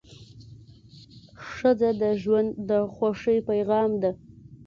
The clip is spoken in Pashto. ښځه د ژوند د خوښۍ پېغام ده.